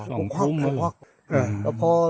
สองทุ่ม